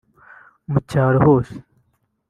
“mu cyaro hose